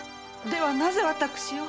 ではなぜ私を！